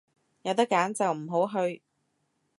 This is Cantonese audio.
有得揀就唔好去